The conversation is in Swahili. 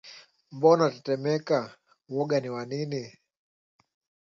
Mbona unatetemeka? Woga ni wa nini?